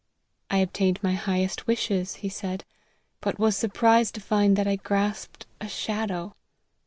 " I obtained my highest wishes," he said, " but was surprised to find that I grasped a shadow."